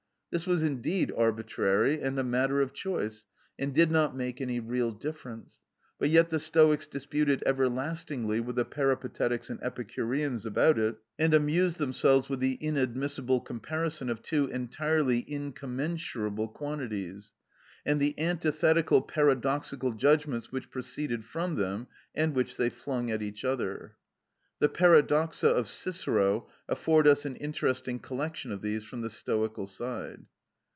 This was indeed arbitrary and a matter of choice, and did not make any real difference, but yet the Stoics disputed everlastingly with the Peripatetics and Epicureans about it, and amused themselves with the inadmissible comparison of two entirely incommensurable quantities, and the antithetical, paradoxical judgments which proceeded from them, and which they flung at each other. The Paradoxa of Cicero afford us an interesting collection of these from the Stoical side.